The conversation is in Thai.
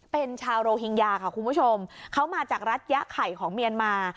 เป็นชาวโรฮิงญาค่ะคุณผู้ชมเขามาจากรัฐยะไข่ของเมียนมา